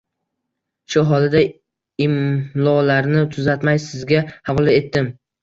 Shu holida, imlolarini tuzatmay, sizga havola etdim.